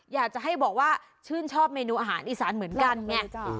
อยากจะให้บอกว่าชื่นชอบเมนูอาหารอีสานเหมือนกันไง